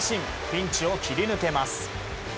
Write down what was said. ピンチを切り抜けます。